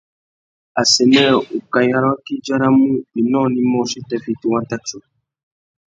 Assênē ukaï râ waki i djaramú « inônōh imôchï i tà fiti wata tiô ».